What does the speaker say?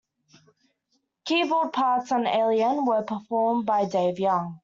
Keyboard parts on "Alien" were performed by Dave Young.